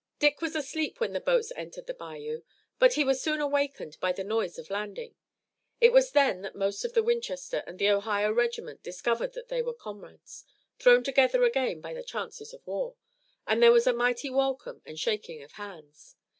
Dick was asleep when the boats entered the bayou, but he was soon awakened by the noise of landing. It was then that most of the Winchester and of the Ohio regiment discovered that they were comrades, thrown together again by the chances of war, and there was a mighty welcome and shaking of hands.